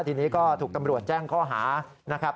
ทีนี้ก็ถูกตำรวจแจ้งข้อหานะครับ